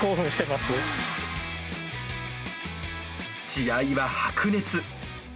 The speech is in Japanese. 試合は白熱。